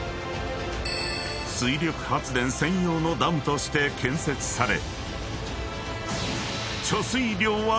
［水力発電専用のダムとして建設され］